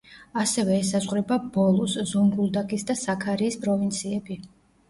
ასევე ესაზღვრება ბოლუს, ზონგულდაქის და საქარიის პროვინციები.